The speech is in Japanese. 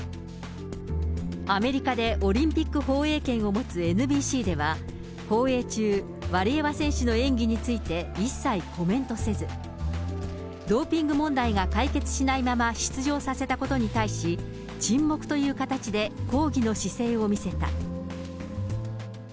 アメリカでオリンピック放映権を持つＮＢＣでは、放映中、ワリエワ選手の演技について一切コメントせず、ドーピング問題が解決しないまま、出場させたことに対し、沈黙という形で抗議の姿勢を見せた。